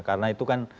karena itu kan